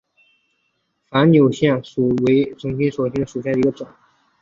反扭藓为丛藓科反扭藓属下的一个种。